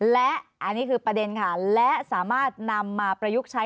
และอันนี้คือประเด็นค่ะและสามารถนำมาประยุกต์ใช้